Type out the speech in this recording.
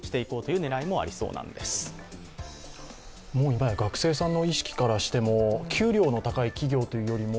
今や学生さんの意識からしても、給料の高い企業というよりも